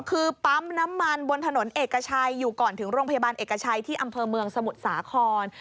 คือปั๊มน้ำมันบนถนนเอกชัยอยู่ก่อนถึงโรงพยาบาลเอกชัยที่อำเภอเมืองสมุทรสาคร